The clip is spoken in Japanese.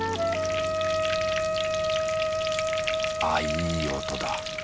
あぁいい音だ。